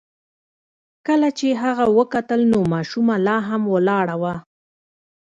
کله چې هغه وکتل نو ماشومه لا هم ولاړه وه.